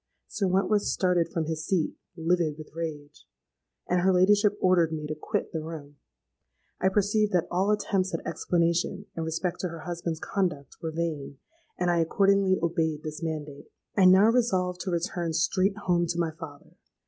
'—Sir Wentworth started from his seat, livid with rage; and her ladyship ordered me to quit the room. I perceived that all attempts at explanation in respect to her husband's conduct were vain; and I accordingly obeyed this mandate. "I now resolved to return straight home to my father.